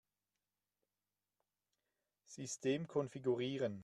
System konfigurieren.